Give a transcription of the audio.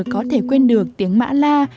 có thể quên được tiếng mã la